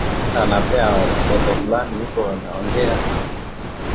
kulevya Utegemezi wa dawa za kulevya hudhihirika kwa utafutaji